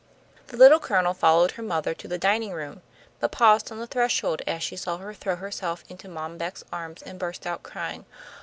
The Little Colonel followed her mother to the dining room, but paused on the threshold as she saw her throw herself into Mom Beck's arms and burst out crying.